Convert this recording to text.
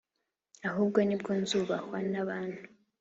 ahubwo nibwo nzubahwa n’abantu